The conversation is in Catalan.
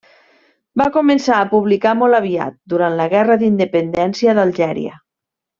Va començar a publicar molt aviat, durant la Guerra d'Independència d'Algèria.